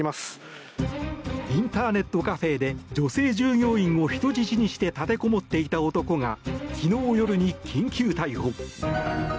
インターネットカフェで女性従業員を人質にして立てこもっていた男が昨日夜に緊急逮捕。